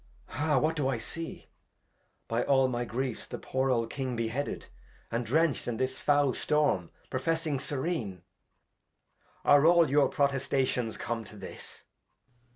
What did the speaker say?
Ha! What do I see ? By aU my Griefs the poor old King bareheaded. And drencht in this fowl Storm, professing Syren, Are all your Protestations come to this